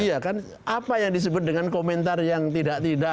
karena kan apa yang disebut dengan komentar yang tidak tidak